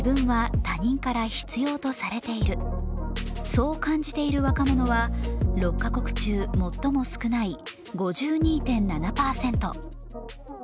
そう感じている若者は６か国中、最も少ない５２．７％。